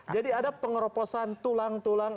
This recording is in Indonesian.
jadi ada pengeroposan tulang tulang